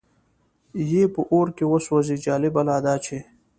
یې په اور کې وسوځي، جالبه لا دا چې.